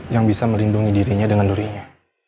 yang bisa melindungi dirinya dengan durinya